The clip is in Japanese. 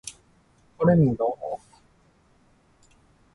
カレンダー